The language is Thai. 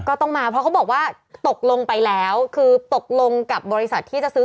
ก็ต้องมาเพราะเขาบอกว่าตกลงไปแล้วคือตกลงกับบริษัทที่จะซื้อ